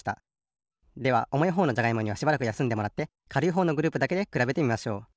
ではおもいほうのじゃがいもにはしばらくやすんでもらってかるいほうのグループだけでくらべてみましょう。